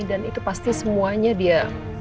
dan itu pasti semuanya dia